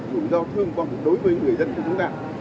dùm do thương vong đối với người dân của chúng ta